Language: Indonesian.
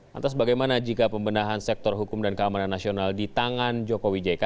lantas bagaimana jika pembenahan sektor hukum dan keamanan nasional di tangan jokowi jk